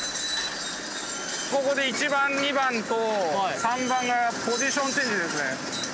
ここで１番２番と３番がポジションチェンジですね。